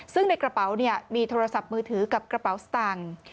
ซึ่งในกระเป๋ามีโทรศัพท์มือถือกับกระเป๋าสตางค์